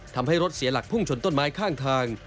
ทำให้รถเสียหลักพุ่งชนต้นไม้ข้างทาง